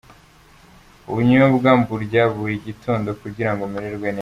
Ubunyobwa mburya buri gitondo kugira ngo mererwe neza.